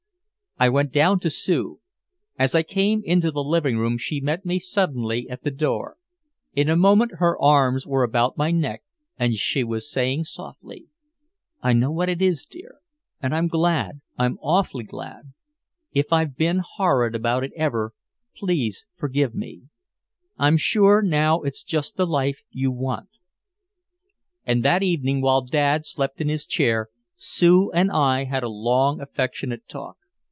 I went down to Sue. As I came into the living room she met me suddenly at the door. In a moment her arms were about my neck and she was saying softly: "I know what it is, dear, and I'm glad I'm awfully glad. If I've been horrid about it ever, please forgive me. I'm sure now it's just the life you want!" And that evening, while Dad slept in his chair, Sue and I had a long affectionate talk.